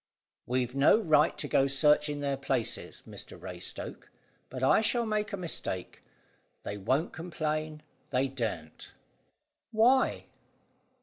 "We've no right to go searching their places, Mr Raystoke, but I shall make a mistake. They won't complain. They daren't." "Why?"